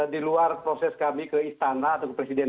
di luar proses kami ke istana atau ke presiden